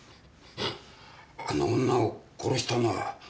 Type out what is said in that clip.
あの女を殺したのはワシじゃ。